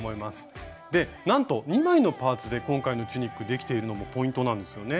でなんと２枚のパーツで今回のチュニックできているのもポイントなんですよね。